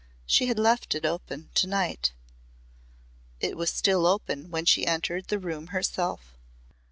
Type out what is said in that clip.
She had left it open to night. It was still open when she entered the room herself.